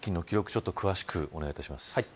ちょっと、詳しくお願いします。